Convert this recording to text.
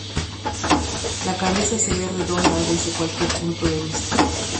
La cabeza se ve redonda desde cualquier punto de vista.